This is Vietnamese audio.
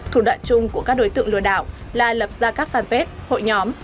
thủ đoạn chung của các đối tượng lừa đảo là lập ra các fanpage hội nhóm